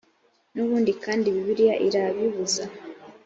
n’ubundi kandi bibiliya irabibuza